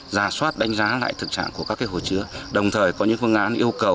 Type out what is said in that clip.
ra soát đánh giá lại thực trạng của các hồ chứa đồng thời có những phương án yêu cầu